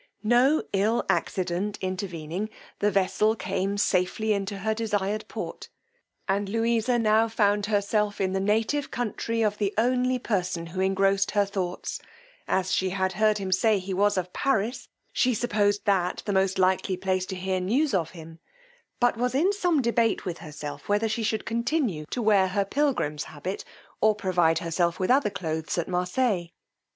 No ill accident intervening, the vessel came safely into her desired port, and Louisa now found herself in the native country of the only person who engrossed her thoughts: as she had heard him say he was of Paris, she supposed that the most likely place to hear news of him, but was in some debate within herself whether she should continue to wear her pilgrim's habit, or provide herself with other cloaths at Marseilles.